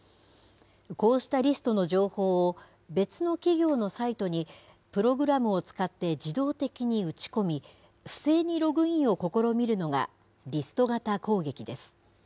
こうしたリストの情報を、別の企業のサイトにプログラムを使って自動的に打ち込み、不正にログインを試みるのがリスト型攻撃です。